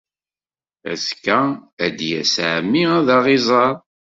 Azekka ad d-yas ɛemmi ad aɣ-iẓer.